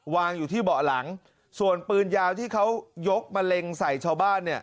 วางอยู่ที่เบาะหลังส่วนปืนยาวที่เขายกมะเร็งใส่ชาวบ้านเนี่ย